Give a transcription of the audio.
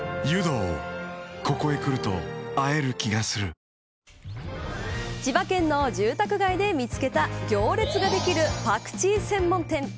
フラミンゴ千葉県の住宅街で見つけた行列ができるパクチー専門店。